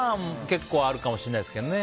結構あるかもしれないですね。